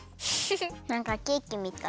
なんかケーキみたい。